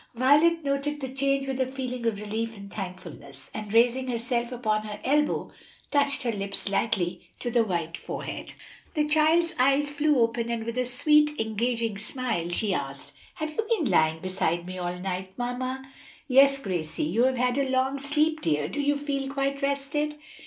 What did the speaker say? Violet noted the change with a feeling of relief and thankfulness, and raising herself upon her elbow, touched her lips lightly to the white forehead. The child's eyes flew open and with a sweet engaging smile, she asked, "Have you been lying beside me all night, mamma?" "Yes, Gracie. You have had a long sleep, dear; do you feel quite rested?"